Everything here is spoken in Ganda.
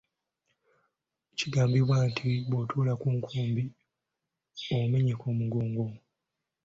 Kigambibwa nti bw'otuula ku nkumbi, omenyeka omugongo.